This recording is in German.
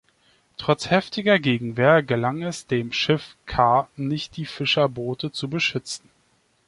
Trotz heftiger Gegenwehr gelang es dem "Schiff K" nicht, die Fischerboote zu beschützen.